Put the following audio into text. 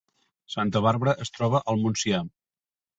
Santa Bàrbara es troba al Montsià